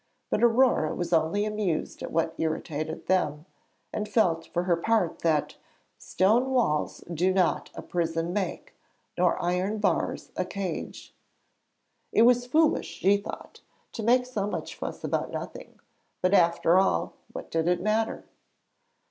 But Aurore was only amused at what irritated them, and felt, for her part, that Stone walls do not a prison make, Nor iron bars a cage. It was foolish, she thought, to make so much fuss about nothing; but after all, what did it matter?